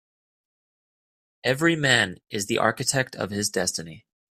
Every man is the architect of his destiny.